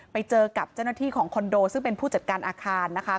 ไปเจอกับเจ้าหน้าที่ของคอนโดซึ่งเป็นผู้จัดการอาคารนะคะ